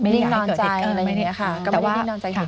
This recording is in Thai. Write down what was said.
นิ่งนอนใจอะไรอย่างนี้ค่ะ